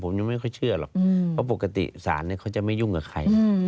ผมยังไม่ค่อยเชื่อหรอกเพราะปกติศาลเขาจะไม่ยุ่งกับใคร